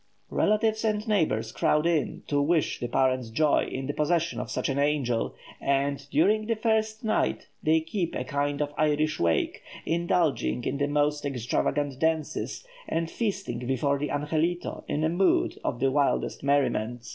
Relatives and neighbours crowd in to wish the parents joy in the possession of such an angel; and, during the first night, they keep a kind of Irish wake, indulging in the most extravagant dances, and feasting before the angelito in a mood of the wildest merriment.